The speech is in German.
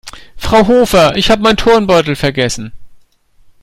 Frau Hofer, ich habe meinen Turnbeutel vergessen.